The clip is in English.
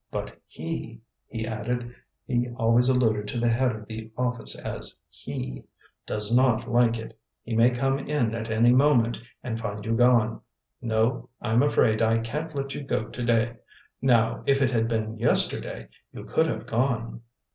But He," he added he always alluded to the Head of the Office as He "does not like it. He may come in at any moment and find you gone. No; I'm afraid I can't let you go to day. Now, if it had been yesterday you could have gone."